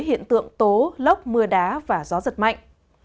hiện tượng tố lốc mưa đá và gió giật mạnh